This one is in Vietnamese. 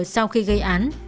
sau khi gây án